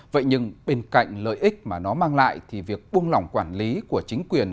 vậy nhưng bên cạnh lợi ích mà nó mang lại thì việc buông lỏng quản lý của chính quyền